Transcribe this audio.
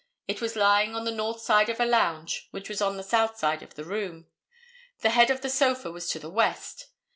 It was lying on the north side of a lounge which was on the south side of the room. The head of the sofa was to the west.